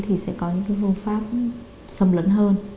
thì sẽ có những phương pháp sâm lẫn hơn